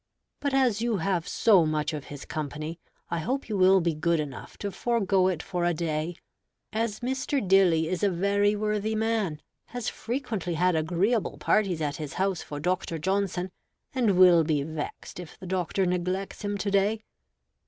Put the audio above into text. But as you have so much of his company, I hope you will be good enough to forego it for a day; as Mr. Dilly is a very worthy man, has frequently had agreeable parties at his house for Dr. Johnson, and will be vexed if the Doctor neglects him to day.